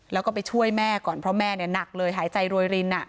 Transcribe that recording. แล้วก็ไปช่วยแม่ก่อนเพราะแม่หนักเลยหายใจรวยริน